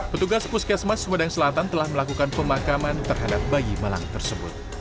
petugas puskesmas sumedang selatan telah melakukan pemakaman terhadap bayi malang tersebut